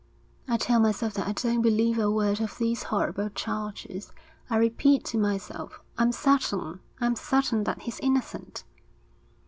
'I tell myself that I don't believe a word of these horrible charges. I repeat to myself: I'm certain, I'm certain that he's innocent.'